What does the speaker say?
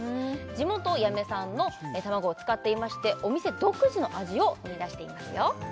地元八女産の卵を使っていましてお店独自の味を生み出していますよ